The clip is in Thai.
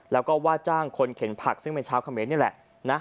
แล้วก็ว่าจ้างคนเข็นผักซึ่งเป็นชาวเขมรนี่แหละนะ